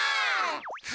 はい。